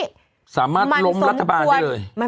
มันสมควรสามารถลงรัฐบาลเจ้าเลย